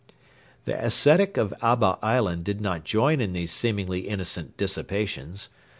The ascetic of Abba island did not join in these seemingly innocent dissipations.